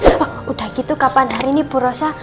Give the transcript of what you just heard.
oh udah gitu kapan hari ini purosa